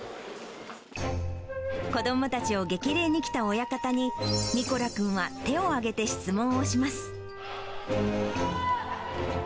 子どもたちを激励にきた親方に、ミコラ君は手を挙げて質問をします。